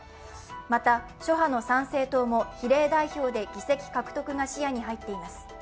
また、諸派の参政党も比例代表で議席獲得が視野に入っています。